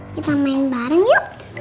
kita main bareng yuk